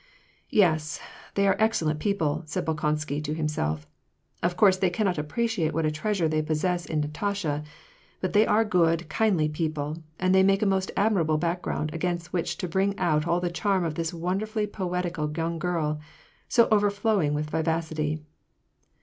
" Yes, they are excellent people," said Bolkonsky to him self. " Of course they cannot appreciate what a treasure they possess in Natasha ; but they are good, kindly people, and they make a most admirable background against which to bring out all the charm of this wonderfully poetical young girl, so overflowing with vivacity."